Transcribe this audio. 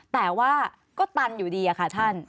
แต่ว่าก็ตันอยู่ดีค่ะท่าน